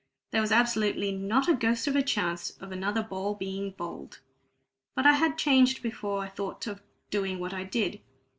There was absolutely not the ghost of a chance of another ball being bowled. But I had changed before I thought of doing what I did.